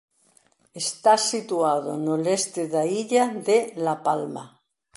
Está situado no leste da illa de La Palma.